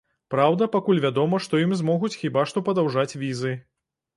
Праўда, пакуль вядома, што ім змогуць хіба што падаўжаць візы.